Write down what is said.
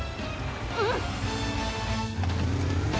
うん！